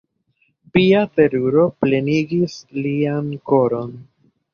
Pia teruro plenigis lian koron.